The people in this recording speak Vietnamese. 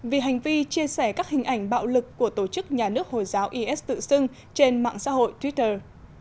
vì hành vi chia sẻ các hình ảnh bạo lực của tổ chức nhà nước hồi giáo is tự xưng trên mạng xã hội twitter